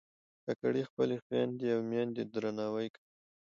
کاکړي خپلې خویندې او میندې درناوي کوي.